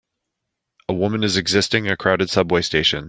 A woman is existing a crowded subway station.